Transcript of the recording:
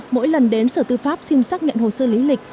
mỗi lần đến sở tư pháp xin xác nhận hồ sơ lý lịch